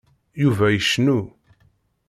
Yuba icennu.